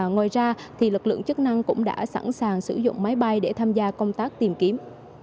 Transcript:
ngoài ra lực lượng chức năng cũng đã sẵn sàng sử dụng máy bay để tham gia công tác tìm kiếm